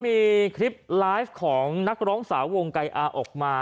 มีคลิปไลฟ์ของนักร้องสาววงไกรอาออกมา